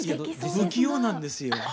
不器用なんですよ。